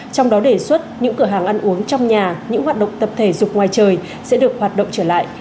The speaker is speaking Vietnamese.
trong đó đề xuất những cửa hàng ăn uống trong nhà những hoạt động tập thể dục ngoài trời sẽ được hoạt động trở lại